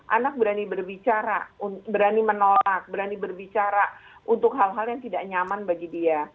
anak berani berbicara berani menolak berani berbicara untuk hal hal yang tidak nyaman bagi dia